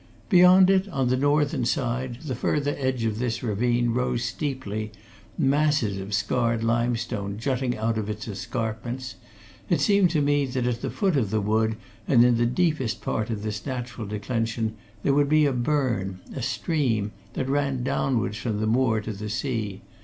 Beyond it, on the northern side, the further edge of this ravine rose steeply, masses of scarred limestone jutting out of its escarpments; it seemed to me that at the foot of the wood and in the deepest part of this natural declension, there would be a burn, a stream, that ran downwards from the moor to the sea.